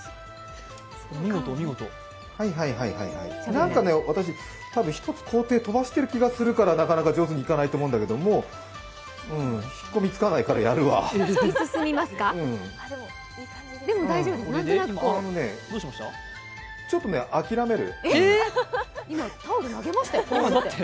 なんかね、私、たぶん１つ工程飛ばしてる気がするからなかなか上手にいかないと思うんだけど、もう引っ込みつかないから、やるわあのね、ちょっとね、諦める。